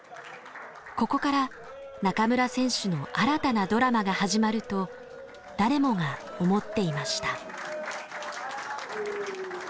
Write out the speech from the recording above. ここから中村選手の新たなドラマが始まると誰もが思っていました。